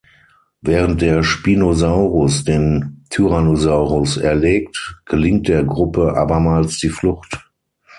Während der Spinosaurus den Tyrannosaurus erlegt, gelingt der Gruppe abermals die Flucht.